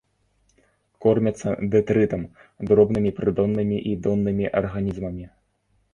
Кормяцца дэтрытам, дробнымі прыдоннымі і доннымі арганізмамі.